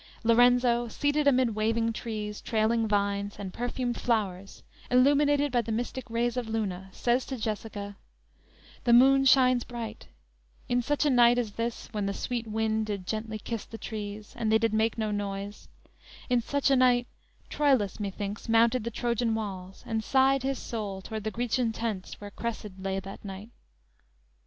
Lorenzo seated amid waving trees, trailing vines and perfumed flowers illuminated by the mystic rays of Luna, says to Jessica: _"The moon shines bright; in such a night as this, When the sweet wind did gently kiss the trees, And they did make no noise; in such a night, Troilus, methinks, mounted the Trojan walls, And sighed his soul towards the Grecian tents Where Cressid lay that night."